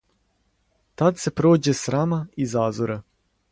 Тад се прође срама и зазора,